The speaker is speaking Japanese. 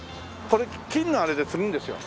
これ金のあれで継ぐんですよ。